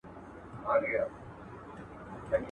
موږ په دې ساحل کي آزمېیلي توپانونه دي.